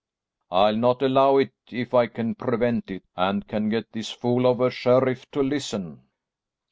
"I'll not allow it, if I can prevent it, and can get this fool of a sheriff to listen."